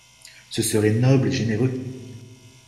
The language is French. Ce serait noble et généreux!